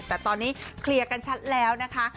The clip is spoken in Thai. แต่ตอนนี้เคลียร์กันชัดแล้วนะคะ